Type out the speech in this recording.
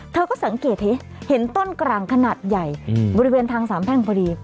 เธอก็สังเกตเห็นต้นกลางขนาดใหญ่บริเวณทางสามแพ่งพอดี